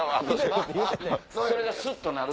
それがスッとなる。